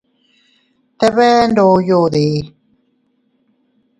¿Te bee ndoyode?